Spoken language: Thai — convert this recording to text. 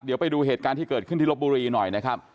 เดี๋ยวไปดูเหตุการณ์ที่เกิดขึ้นที่ลบบุรีหน่อยนะครับ